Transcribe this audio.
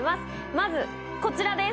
まずこちらです。